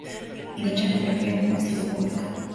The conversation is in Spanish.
Dicha biografía aún no ha sido publicada.